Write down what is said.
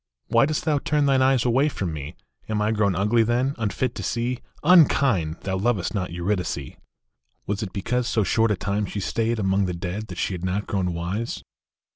" Why dost thou turn thine eyes away from me ? Am I grown ugly, then, unfit to see? Unkind ! Thou lovest not Eurydice !" EURYDICE. 149 Was it because so short a time she stayed Among the dead that she had not grown wise